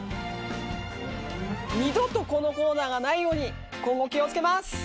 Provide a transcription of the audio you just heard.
二度とこのコーナーがないように今後気をつけます。